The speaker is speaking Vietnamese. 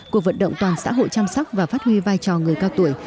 cuộc vận động toàn xã hội chăm sóc và phát huy vai trò người cao tuổi